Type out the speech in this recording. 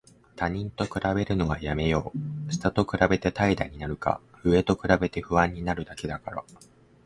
他人と比べるのはやめよう。下と比べて怠惰になるか、上と比べて不安になるだけだから。